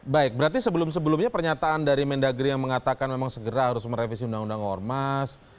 baik berarti sebelum sebelumnya pernyataan dari mendagri yang mengatakan memang segera harus merevisi undang undang ormas